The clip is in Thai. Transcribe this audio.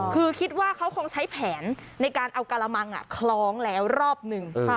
คือคิดว่าเขาคงใช้แผนในการเอากระมังคล้องแล้วรอบหนึ่ง